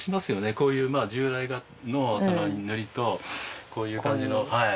こういう従来の塗りとこういう感じの。